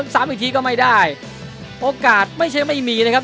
ซ้ำอีกทีก็ไม่ได้โอกาสไม่ใช่ไม่มีนะครับ